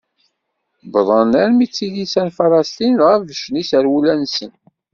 Wwḍen armi d tilisa n Falesṭin dɣa beccen iserwula-nsen.